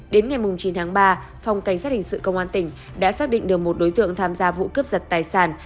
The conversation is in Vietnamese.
đến ngày chín tháng ba phòng cảnh sát hình sự công an tỉnh đã xác định được một đối tượng tham gia vụ cướp giật tài sản